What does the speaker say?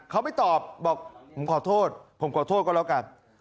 เขาไม่ตอบบอกผมขอโทษผมขอโทษก็แล้วกัน